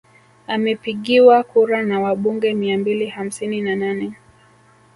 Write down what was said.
Amepigiwa kura na wabunge mia mbili hamsini na nane